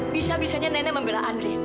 bisa bisanya nenek membela andri